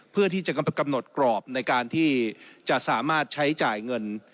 เพื่อที่จะกำหนดกรอบในการที่จะสามารถใช้จ่ายเงิน